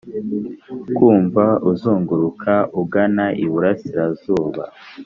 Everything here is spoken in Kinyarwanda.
kumva uzunguruka ugana iburasirazuba